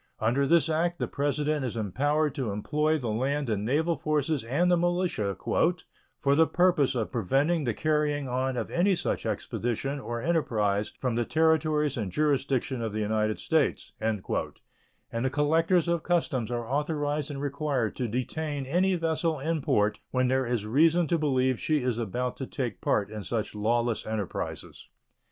Under this act the President is empowered to employ the land and naval forces and the militia "for the purpose of preventing the carrying on of any such expedition or enterprise from the territories and jurisdiction of the United States," and the collectors of customs are authorized and required to detain any vessel in port when there is reason to believe she is about to take part in such lawless enterprises.